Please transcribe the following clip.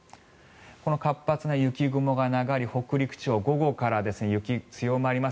活発な雪雲がかかり北陸地方、午後から雪が強まります。